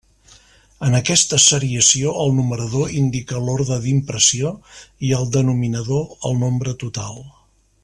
En aquesta seriació el numerador indica l'orde d'impressió i el denominador el nombre total.